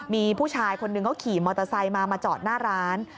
มีผู้ชายคนหนึ่งเขาขี่มอเตอร์ไซค์มามาจอดหน้าร้าน